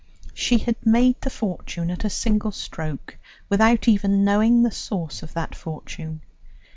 She had made the fortune at a single stroke, without even knowing the source of that fortune.